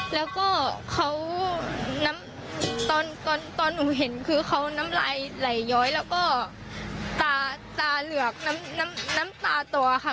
แล้วก็เขาตอนหนูเห็นคือเขาน้ำลายไหลย้อยแล้วก็ตาเหลือกน้ำตาตัวค่ะ